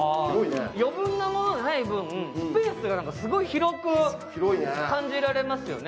余分なものがない分スペースがすごい広く感じられますよね。